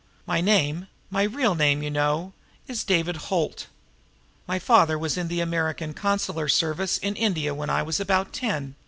My name, my real name, you know, is David Holt. My father was in the American Consular service in India when I was about ten.